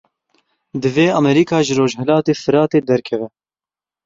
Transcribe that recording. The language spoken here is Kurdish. Divê Amerîka ji rojhilatê Firatê derkeve.